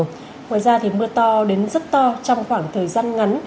ngoài ra thì mưa to đến rất to trong khoảng thời gian ngắn